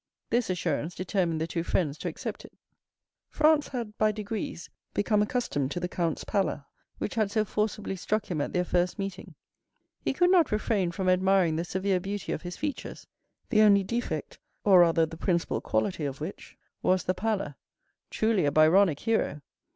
This assurance determined the two friends to accept it. Franz had by degrees become accustomed to the count's pallor, which had so forcibly struck him at their first meeting. He could not refrain from admiring the severe beauty of his features, the only defect, or rather the principal quality of which was the pallor. Truly, a Byronic hero!